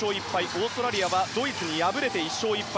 オーストラリアはドイツに敗れて１勝１敗。